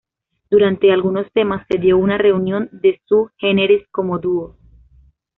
Durante algunos temas, se dio una reunión de Sui Generis como dúo.